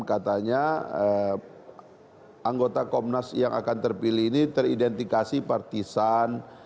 katanya anggota komnas yang akan terpilih ini teridentifikasi partisan